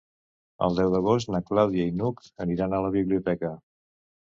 El deu d'agost na Clàudia i n'Hug aniran a la biblioteca.